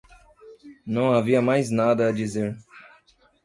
Não havia mais nada a dizer.